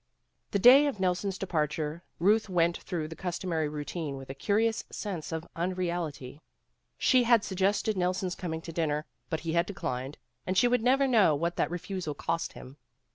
The day of Nelson's departure Euth went through the customary routine with a curious sense of unreality. She had suggested GOOD BY 173 Nelson 's coming to dinner, but he had declined, and she would never know what that refusal cost him.